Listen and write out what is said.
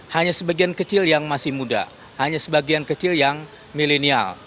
hanya sebagian kecil yang masih muda hanya sebagian kecil yang milenial